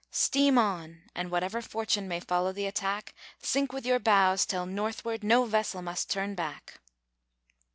"Steam on! and whatever fortune May follow the attack, Sink with your bows still northward No vessel must turn back!"